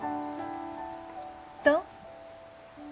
どう？